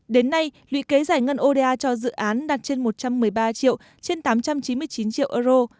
đến nay lũy kế giải ngân oda cho dự án đạt trên một trăm một mươi ba triệu trên tám trăm chín mươi chín triệu euro